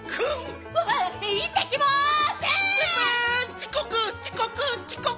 ちこくちこくちこく！